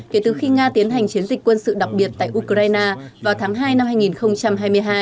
kể từ khi nga tiến hành chiến dịch quân sự đặc biệt tại ukraine vào tháng hai năm hai nghìn hai mươi hai